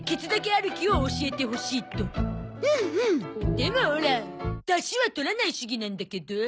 でもオラダシは取らない主義なんだけど。